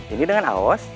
ini dengan aos